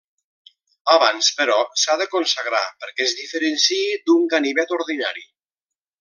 Abans, però, s'ha de consagrar perquè es diferenciï d'un ganivet ordinari.